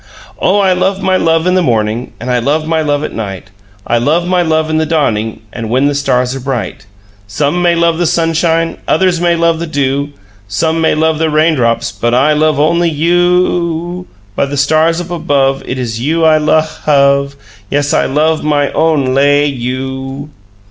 "Oh, I love my love in the morning And I love my love at night, I love my love in the dawning, And when the stars are bright. Some may love the sunshine, Others may love the dew. Some may love the raindrops, But I love only you OO oo! By the stars up above It is you I luh HUV! Yes, I love own LAY you!"